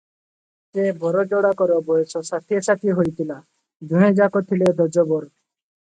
ସେ ବର ଯୋଡ଼ାକର ବୟସ ଷାଠିଏ ଷାଠିଏ ହୋଇଥିଲା, ଦୁହେଁଯାକ ଥିଲେ ଦୋଜବର ।